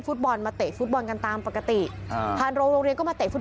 หลายคนหลายคนหลายคนหลายคนหลายคน